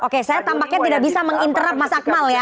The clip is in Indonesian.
oke saya tampaknya tidak bisa menginterap masakmal ya